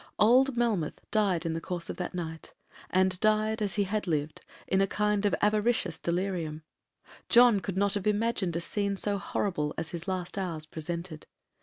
Old Melmoth died in the course of that night, and died as he had lived, in a kind of avaricious delirium. John could not have imagined a scene so horrible as his last hours presented.